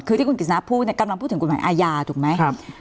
คือที่คุณกฤษณะพูดเนี่ยกำลังพูดถึงกฎหมายอาญาถูกไหม